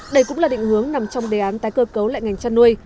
đây cũng là định hướng nằm trong đề án tái cơ cấu lại ngành chăn nuôi